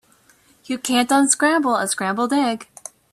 You can't unscramble a scrambled egg.